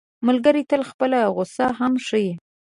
ملګری ته خپله غوسه هم ښيي